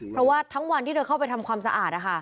เพราะว่าทั้งวันที่เธอเข้าไปทำความสะอาด